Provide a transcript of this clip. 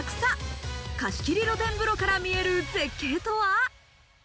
貸し切り露天風呂から見える絶景とは？